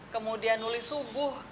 kemudian nulis subuh